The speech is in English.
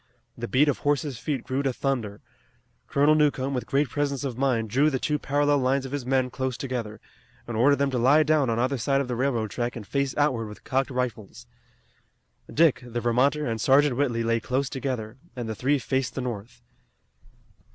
The beat of horses' feet grew to thunder. Colonel Newcomb with great presence of mind drew the two parallel lines of his men close together, and ordered them to lie down on either side of the railroad track and face outward with cocked rifles. Dick, the Vermonter, and Sergeant Whitley lay close together, and the three faced the north.